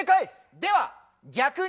では逆に。